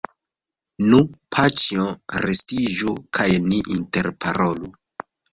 Nu, paĉjo, residiĝu, kaj ni interparolu.